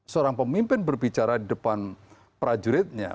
seorang pemimpin berbicara di depan prajuritnya